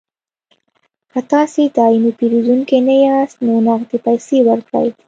که تاسې دایمي پیرودونکي نه یاست نو نغدې پیسې ورکړئ